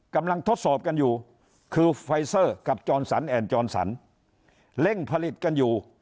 กำลังทดสอบกันอยู่คือไฟเซอร์กับจรสรรแอนด์จรสรรเร่งผลิตกันอยู่